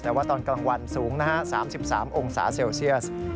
แต่ว่าตอนกลางวันสูงนะฮะ๓๓องศาเซลเซียส